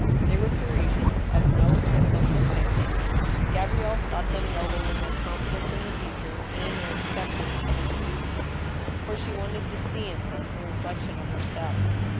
They were Parisians of no high social standing. Gabrielle thought them noble in their confidence in the future, and in their acceptance of its duties, for she wanted to see in them a reflection of herself.